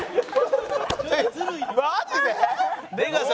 マジで！？